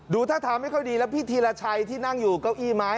ท่าทางไม่ค่อยดีแล้วพี่ธีรชัยที่นั่งอยู่เก้าอี้ไม้